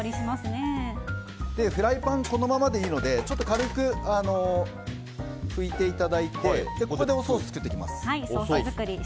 フライパンこのままでいいので軽く拭いていただいてここでソース作っていきます。